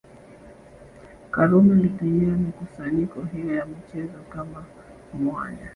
Karume alitumia mikusanyiko hiyo ya michezo kama mwanya